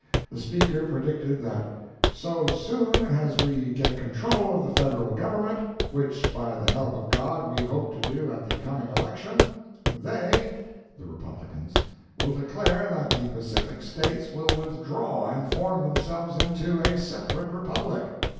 The speaker predicted that "so soon as we get control of the Federal Government, which by the help of God we hope to do at the coming election, they (the Republicans) will declare that the Pacific States will withdraw and form themselves into a separate Republic."